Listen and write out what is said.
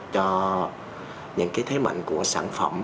cho những cái thế mạnh của sản phẩm